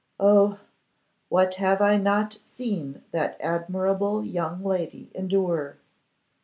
Oh! what have I not seen that admirable young lady endure!